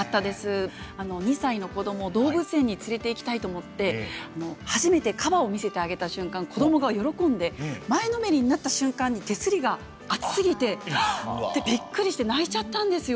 ２歳の子どもを動物園に連れて行きたいと思って初めてカバを見せてあげた瞬間子どもが喜んで前のめりになった瞬間に手すりが熱すぎて「ハッ！」ってびっくりして泣いちゃったんですよ。